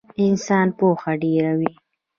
انسان پوهه ډېروي